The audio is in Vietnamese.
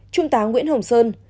trung tá nguyễn hồng sơn